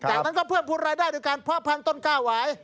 จากนั้นก็เพิ่มภูมิรายได้โดยการเพาะพันธุ้นก้าวหวาย